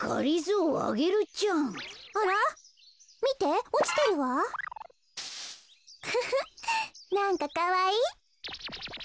ウフフなんかかわいい。